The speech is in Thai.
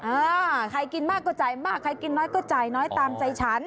เออใครกินมากก็จ่ายมากใครกินน้อยก็จ่ายน้อยตามใจฉัน